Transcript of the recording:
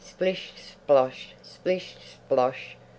Splish Splosh! Splish Splosh!